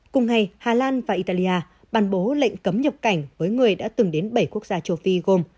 cùng ngày hà lan và italia bàn bố lệnh cấm nhập cảnh với người đã từng đến bảy quốc gia châu phi gồm